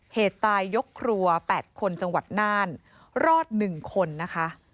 เหตุตายยกครัว๘คนจังหวัดน่านรอด๑คนนะคะ